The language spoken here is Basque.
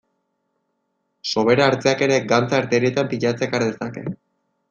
Sobera hartzeak ere gantza arterietan pilatzea ekar dezake.